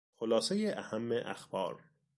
خلاصهی اهم اخبار